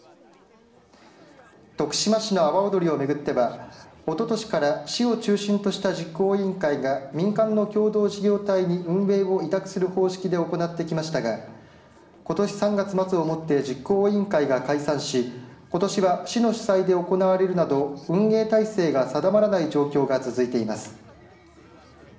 徳島市の阿波おどりをめぐってはおととしから市を中心とした実行委員会が民間の共同事業体に運営を委託する方式で行ってきましたがことし３月末をもって実行委員会が解散しことしは市の主催で行われるなど運営体制が定まらない状況が続いています。